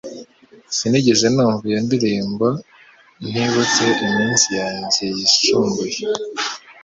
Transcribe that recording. Sinigeze numva iyo ndirimbo ntibutse iminsi yanjye yisumbuye